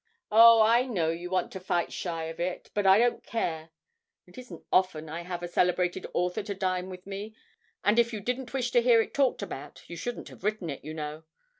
Oh, I know you want to fight shy of it, but I don't care. It isn't often I have a celebrated author to dine with me, and if you didn't wish to hear it talked about you shouldn't have written it, you know.